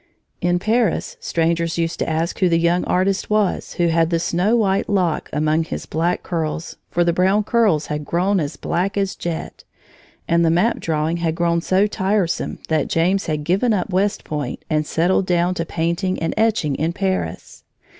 In Paris strangers used to ask who the young artist was who had the snow white lock among his black curls, for the brown curls had grown as black as jet, and the map drawing had grown so tiresome that James had given up West Point and settled down to painting and etching in Paris.